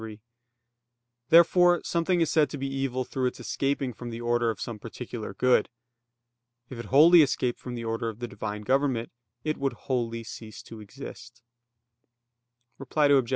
3). Therefore something is said to be evil through its escaping from the order of some particular good. If it wholly escaped from the order of the Divine government, it would wholly cease to exist. Reply Obj.